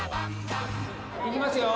いきますよ。